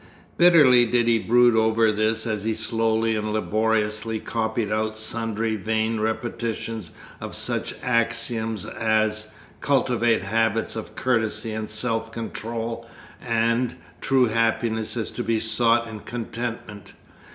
Bitterly did he brood over this as he slowly and laboriously copied out sundry vain repetitions of such axioms as, "Cultivate Habits of Courtesy and Self control," and "True Happiness is to be sought in Contentment."